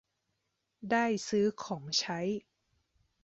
ได้ซื้อของใช้